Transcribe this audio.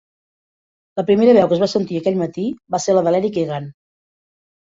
La primera veu que es va sentir aquell matí va ser la d'Eric Egan.